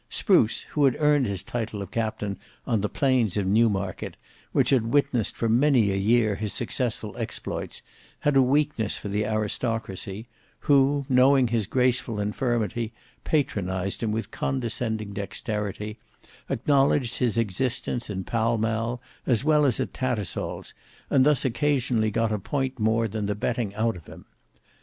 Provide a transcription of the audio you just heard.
Spruce, who had earned his title of Captain on the plains of Newmarket, which had witnessed for many a year his successful exploits, had a weakness for the aristocracy, who knowing his graceful infirmity patronized him with condescending dexterity, acknowledged his existence in Pall Mall as well as at Tattersalls, and thus occasionally got a point more than the betting out of him.